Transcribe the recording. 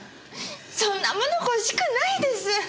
そんなもの欲しくないです！